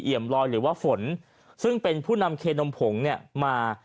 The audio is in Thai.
เอี่ยมรอยหรือว่าฝนซึ่งเป็นผู้นำเคนมผงมา